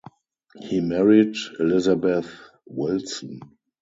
He married Elizabeth Wilson.